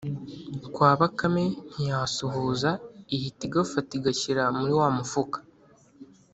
kwa Bakame ntiyasuhuza, ihita igafata igashyira muri wa mufuka